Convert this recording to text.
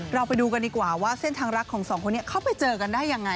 เราไปดูกันดีกว่าว่าเส้นทางรักของสองคนนี้เขาไปเจอกันได้ยังไง